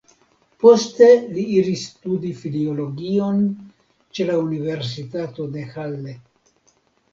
Poste li iris studi filologion ĉe la Universitato de Halle.